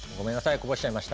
こぼしちゃいました。